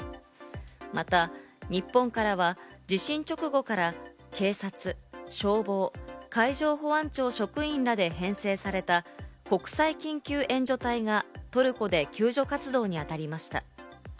また、日本からは地震直後から警察、消防、海上保安庁職員らで編成された国際緊急救助隊がトルコで救助活動にあたりました。